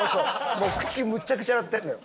もう口むっちゃくちゃになってんのよ。